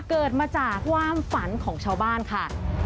เกิดมาจากความฝันของชาวบ้านค่ะ